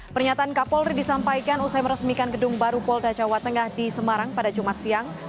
pernyataan kapolri disampaikan usai meresmikan gedung baru polda jawa tengah di semarang pada jumat siang